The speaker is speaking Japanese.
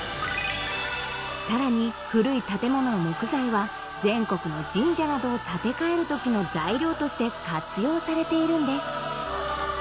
さらに古い建物の木材は全国の神社などを建て替える時の材料として活用されているんです